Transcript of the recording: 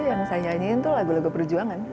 yang saya nyanyiin tuh lagu lagu perjuangan